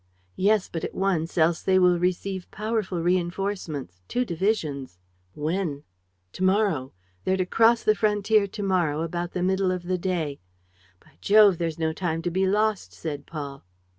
"Yes, but at once, else they will receive powerful reinforcements, two divisions." "When?" "To morrow. They're to cross the frontier, to morrow, about the middle of the day." "By Jove! There's no time to be lost!" said Paul.